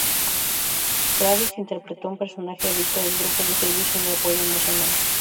Kravitz interpretó un personaje adicto a los grupos de servicios de apoyo emocional.